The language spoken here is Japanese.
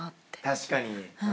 確かに。